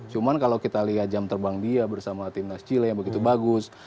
cuma kalau kita lihat jam terbang dia bersama timnas chile yang begitu bagus